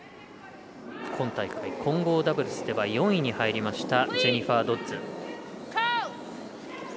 今大会、混合ダブルスでは４位に入りましたジェニファー・ドッズ。